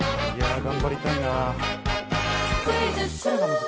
頑張りたいな！